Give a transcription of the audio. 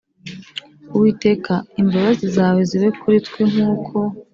Uwiteka imbabazi zawe zibe kuri twe Nk uko